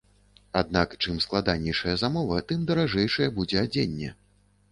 Аднак, чым складанейшая замова, тым даражэйшае будзе адзенне.